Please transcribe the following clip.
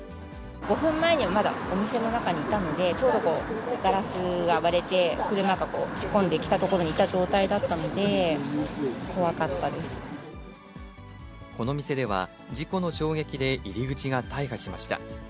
５分前にはまだお店の中にいたので、ちょうどガラスが割れて、車が突っ込んできたところにいた状態だこの店では、事故の衝撃で入り口が大破しました。